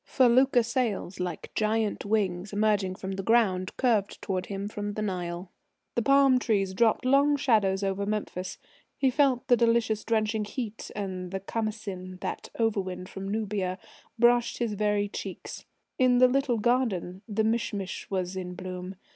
Felucca sails, like giant wings emerging from the ground, curved towards him from the Nile. The palm trees dropped long shadows over Memphis. He felt the delicious, drenching heat, and the Khamasin, that over wind from Nubia, brushed his very cheeks. In the little gardens the mish mish was in bloom....